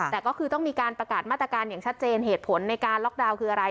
แต่ก็คือต้องมีการประกาศมาตรการอย่างชัดเจนเหตุผลในการล็อกดาวน์คืออะไร